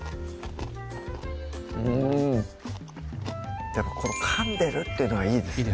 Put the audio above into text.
うんこのかんでるっていうのがいいですね